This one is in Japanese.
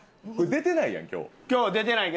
出てないやん今日全く。